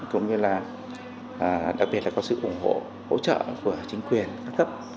cũng như là đặc biệt là có sự ủng hộ hỗ trợ của chính quyền các cấp